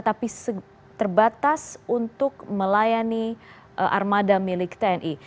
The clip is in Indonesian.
tapi terbatas untuk melayani armada milik tni